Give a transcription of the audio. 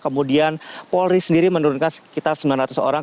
kemudian polri sendiri menurunkan sekitar sembilan ratus orang